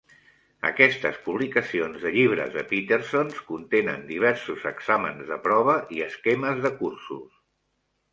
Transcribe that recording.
Aquestes publicacions de llibres de Peterson's contenen diversos exàmens de prova i esquemes de cursos.